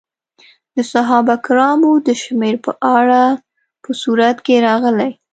د صحابه کرامو د شمېر په اړه په سورت کې راغلي.